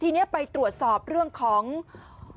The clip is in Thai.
ทีนี้ไปตรวจสอบเรื่องของทรัพย์สินต่างในร่างกายของผู้เสียชีวิต